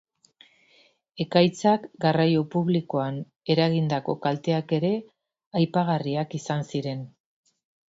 Ekaitzak garraio publikoan eragindako kalteak ere aipagarriak izan ziren.